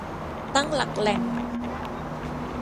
ตั้งหลักแหล่ง